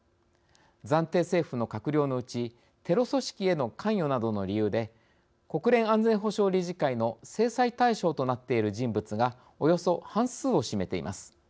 暫定政府の閣僚のうちテロ組織への関与などの理由で国連安全保障理事会の制裁対象となっている人物がおよそ半数を占めています。